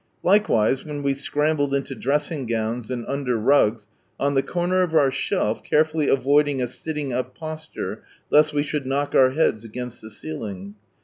Likewise, when we scrambled into dressing gowns and under rugs, on the corner of our shelf, carefully avoiding a sitling up posture, lest we should knock our heads against the ceiling.